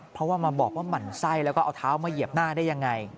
เพราะว่ามาบอกว่าหมั่นไส้แล้วก็เอาเท้ามาเหยียบหน้าได้ยังไง